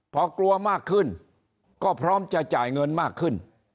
พอกลัวมากขึ้นก็พร้อมจะจ่ายเงินมากขึ้น